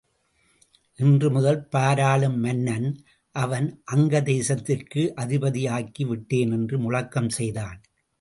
இன்று முதல் பார் ஆளும் மன்னன் அவன் அங்க தேசத்திற்கு அதிபதி ஆக்கி விட்டேன் என்று முழக்கம் செய்தான்.